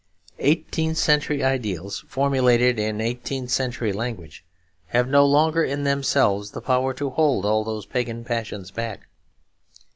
Eighteenth century ideals, formulated in eighteenth century language, have no longer in themselves the power to hold all those pagan passions back.